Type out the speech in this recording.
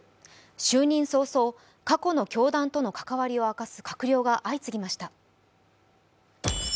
就任早々、過去の教団との関わりを明かす閣僚が相次ぎました。